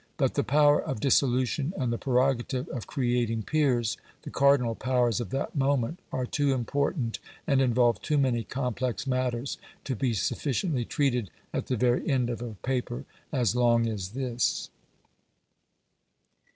But the power of dissolution and the prerogative of creating peers, the cardinal powers of that moment are too important and involve too many complex matters to be sufficiently treated at the very end of a paper as long as this.